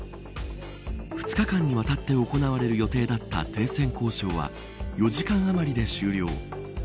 ２日間にわたって行われる予定だった停戦交渉は４時間余りで終了。